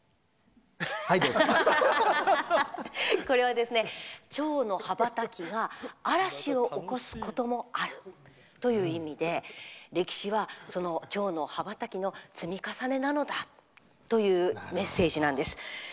これはちょうの羽ばたきが嵐を起こすこともあるという意味で歴史は、ちょうの羽ばたきの積み重ねなのだというメッセージなんです。